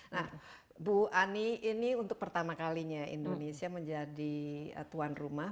nah bu ani ini untuk pertama kalinya indonesia menjadi tuan rumah